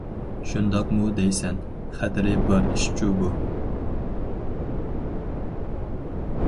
-شۇنداقمۇ دەيسەن، خەتىرى بار ئىشچۇ بۇ.